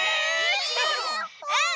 うん。